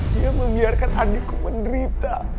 dia membiarkan adikku menderita